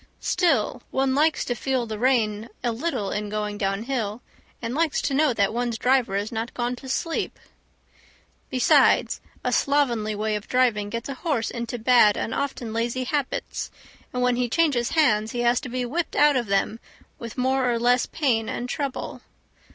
Still, one likes to feel the rein a little in going downhill, and likes to know that one's driver is not gone to sleep. Besides, a slovenly way of driving gets a horse into bad and often lazy habits, and when he changes hands he has to be whipped out of them with more or less pain and trouble.